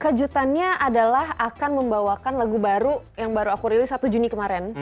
kejutannya adalah akan membawakan lagu baru yang baru aku rilis satu juni kemarin